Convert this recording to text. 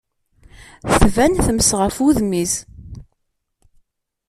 Tban tmes ɣef wudem-is.